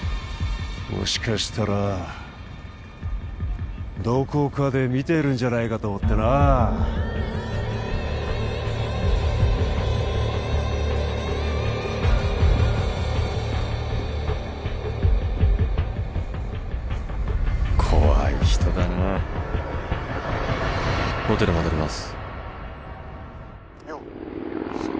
もしかしたらどこかで見てるんじゃないかと思ってな怖い人だなホテル戻ります